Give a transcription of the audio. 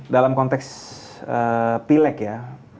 dalam konteks pileg ya